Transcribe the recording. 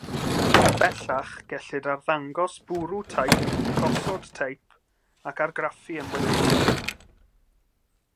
Bellach, gellid arddangos bwrw teip, gosod teip ac argraffu yn weledol.